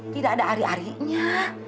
tidak ada ari arinya